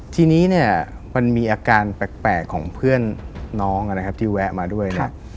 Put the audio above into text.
ทีนี้เนี่ยมันมีอาการแปลกของเพื่อนน้องนะครับที่แวะมาด้วยเนี่ย